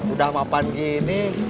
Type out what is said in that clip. udah mapan gini